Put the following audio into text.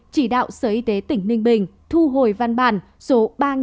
chỉ đạo sở y tế tỉnh ninh bình thu hồi văn bản số ba năm trăm hai mươi chín